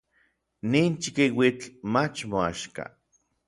Nin chikiuitl mach moaxka.